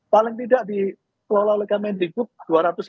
paling tidak dikelola oleh kemendikbud